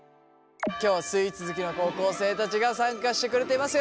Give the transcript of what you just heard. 今日はスイーツ好きの高校生たちが参加してくれています。